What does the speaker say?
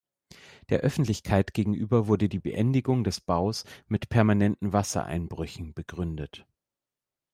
Der Öffentlichkeit gegenüber wurde die Beendigung des Baus mit permanenten Wassereinbrüchen begründet.